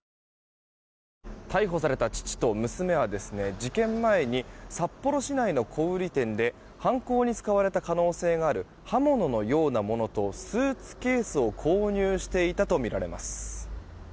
逮捕された父と娘は事件前に札幌市内の小売店で犯行に使われた可能性がある刃物のようなものとスーツケースを購入していたとみられます。